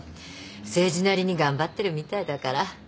誠治なりに頑張ってるみたいだから。